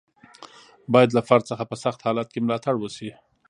باید له فرد څخه په سخت حالت کې ملاتړ وشي.